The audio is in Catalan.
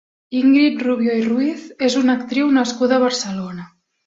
Íngrid Rubio i Ruiz és una actriu nascuda a Barcelona.